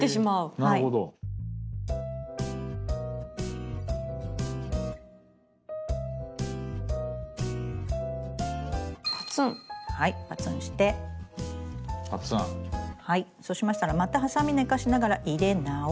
はいそうしましたらまたハサミ寝かしながら入れ直して。